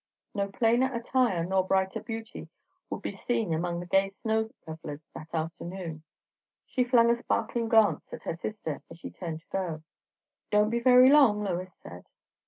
No plainer attire nor brighter beauty would be seen among the gay snow revellers that afternoon. She flung a sparkling glance at her sister as she turned to go. "Don't be very long!" Lois said.